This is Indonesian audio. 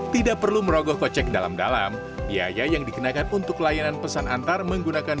tidak perlu merogoh kocek dalam dalam biaya yang dikenakan untuk layanan pesan antar menggunakan